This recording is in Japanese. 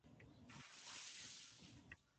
早く帰りたい